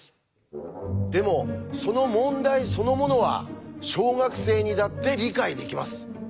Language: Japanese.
でもその問題そのものは小学生にだって理解できます。